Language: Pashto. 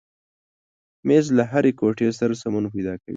مېز له هرې کوټې سره سمون پیدا کوي.